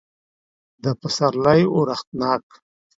دا پسرلی اورښتناک